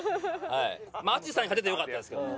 まあ淳さんに勝ててよかったですけどね。